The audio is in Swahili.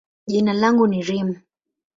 jina langu ni Reem.